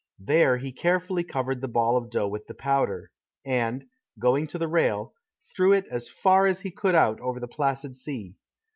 There he carefully covered the ball of dough with the powder, and, going to the rail, threw it as far as he could out over the placid sea.